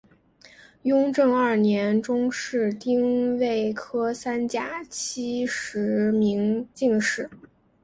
雍正二年中式丁未科三甲七十名进士。